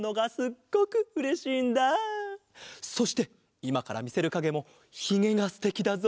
そしていまからみせるかげもひげがすてきだぞ！